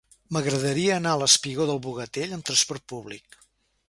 M'agradaria anar al espigó del Bogatell amb trasport públic.